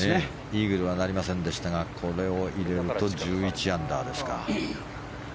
イーグルはなりませんでしたがこれを入れると１１アンダーですか。